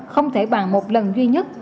không thể bằng một lần duy nhất